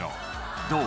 「どう？